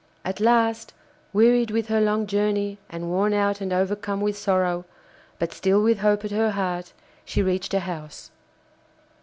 At last, wearied with her long journey and worn out and overcome with sorrow, but still with hope at her heart, she reached a house.